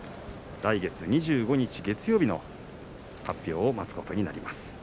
来月２５日、月曜日の発表を待つことになります。